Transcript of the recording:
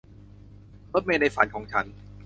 รถเมล์ในฝันของฉัน